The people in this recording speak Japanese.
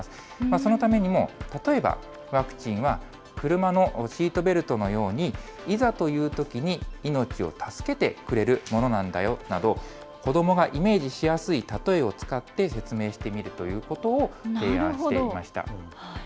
そのためにも、例えば、ワクチンは、車のシートベルトのように、いざというときに命を助けてくれるものなんだよなど、子どもがイメージしやすい例えを使って説明してみるということを提案していました。